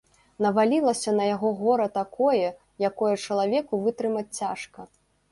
Навалілася на яго гора такое, якое чалавеку вытрымаць цяжка.